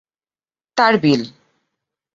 তার বিল।